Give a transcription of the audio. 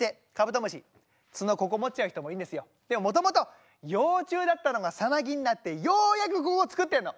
でももともと幼虫だったのがサナギになってようやくここ作ってんの。